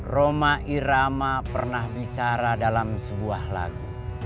roma irama pernah bicara dalam sebuah lagu